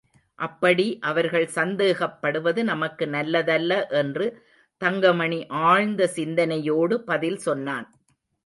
அப்படி அவர்கள் சந்தேகப்படுவது நமக்கு நல்லதல்ல என்று தங்கமணி ஆழ்ந்த சிந்தனையோடு பதில் சொன்னான்.